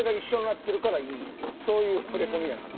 そういう触れ込みやから。